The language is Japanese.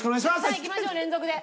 さあいきましょう連続で。